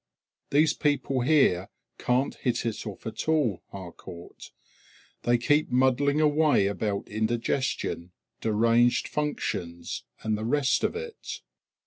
These people here can't hit it off at all, Harcourt; they keep muddling away about indigestion, deranged functions, and the rest of it.